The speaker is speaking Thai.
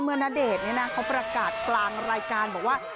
เมื่อณเดชน์เนี่ยนะเขาประกาศกลางรายการบอกว่า